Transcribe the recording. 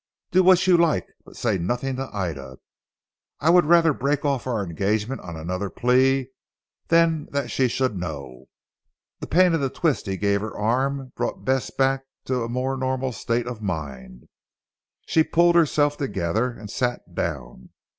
"Do what you like, but say nothing to Ida. I would rather break off our engagement on another plea than that she should know." The pain of the twist he gave her arm brought Bess back to a more normal state of mind. She pulled herself together, and sat down.